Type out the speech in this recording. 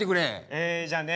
えじゃあね